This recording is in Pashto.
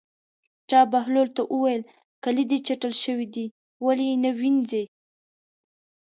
چا بهلول ته وویل: کالي دې چټل شوي دي ولې یې نه وینځې.